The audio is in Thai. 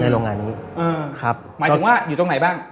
โรงงานนี้เออครับหมายถึงว่าอยู่ตรงไหนบ้าง